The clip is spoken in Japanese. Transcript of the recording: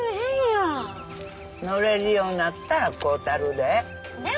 乗れるようになったら買うたるで。